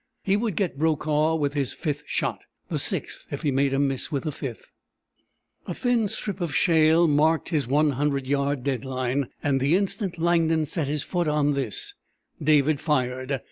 He would get Brokaw with his fifth shot the sixth if he made a miss with the fifth. A thin strip of shale marked his 100 yard dead line, and the instant Langdon set his foot on this David fired.